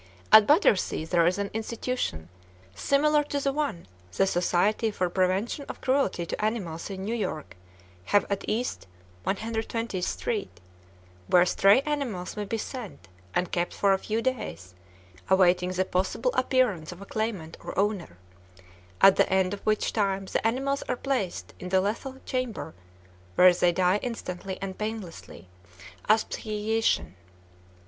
At Battersea there is an institution similar to the one the Society for Prevention of Cruelty to Animals in New York have at East 120th Street, where stray animals may be sent and kept for a few days awaiting the possible appearance of a claimant or owner; at the end of which time the animals are placed in the "lethal chamber," where they die instantly and painlessly by asphyxiation.